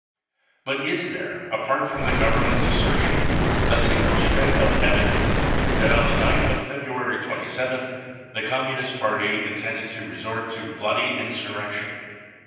Bvt is there, apart from the Government's assertion, a single shred of evidence that on the night of February 27th the Communist Party in tended to resort to " bloody insurrection